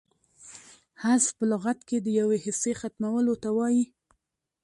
حذف په لغت کښي د یوې حصې ختمولو ته وايي.